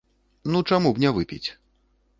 Ну чаму б не выпіць?